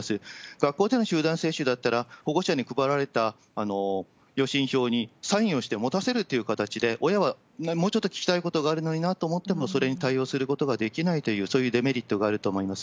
学校での集団接種だったら、保護者に配られた予診票にサインをして、持たせるっていう形で、親はもうちょっと聞きたいことが在るのになと思いましたが、それに対応することができないという、そういうデメリットがあると思います。